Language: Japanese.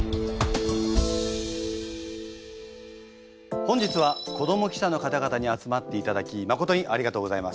本日は子ども記者の方々に集まっていただきまことにありがとうございます。